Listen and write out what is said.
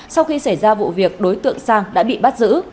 sau khi xảy ra vụ việc đối tượng sang đã bị bắt giữ